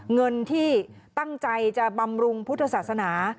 เงินที่ตั้งใจจะบำรุงพุทธศาสนา